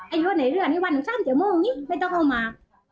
ไอ้เรือในเรือนี้วันสั้นจะโมงนี้ไม่ต้องเอามา